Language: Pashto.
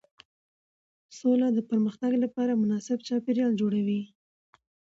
سوله د پرمختګ لپاره مناسب چاپېریال جوړوي